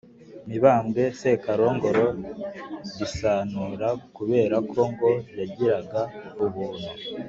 mibambwe sekarongoro gisanura kubera ko ngo yagiraga ubuntu